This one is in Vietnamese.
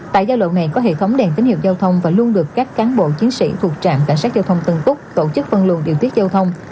tại giao lộ này có hệ thống đèn tín hiệu giao thông và luôn được các cán bộ chiến sĩ thuộc trạm cảnh sát giao thông tân cúc tổ chức phân luồn điều tiết giao thông